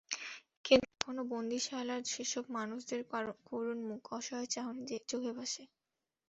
কিন্তু এখনো বন্দিশালার সেসব মানুষদের করুণ মুখ, অসহায় চাহনি চোখে ভাসে।